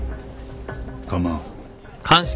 構わん。